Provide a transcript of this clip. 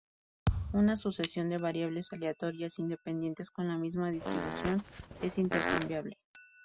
Una sucesión de variables aleatorias independientes con la misma distribución es intercambiable.